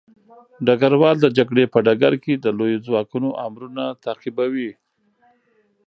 ډګروال د جګړې په ډګر کې د لويو ځواکونو امرونه تعقیبوي.